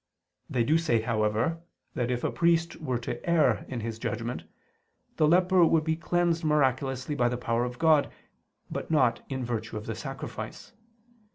They do say, however, that if a priest were to err in his judgment, the leper would be cleansed miraculously by the power of God, but not in virtue of the sacrifice.